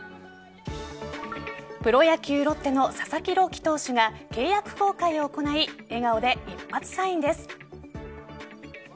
プロ野球ロッテの佐々木朗希投手が契約更改を行い笑顔で一発サインです。